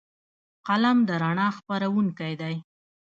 قلم د رڼا خپروونکی دی